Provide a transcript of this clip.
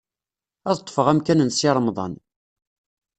Ad ṭṭfeɣ amkan n Si Remḍan.